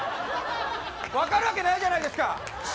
分かるわけないじゃないですか。